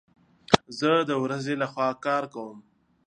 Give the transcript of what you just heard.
زه د ورځي لخوا کار کوم